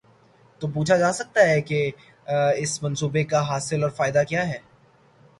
تو پوچھا جا سکتا ہے کہ اس منصوبے کاحاصل اور فائدہ کیا ہے؟